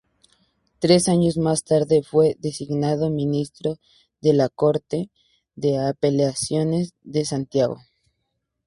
Tres años más tarde fue designado ministro de la Corte de Apelaciones de Santiago.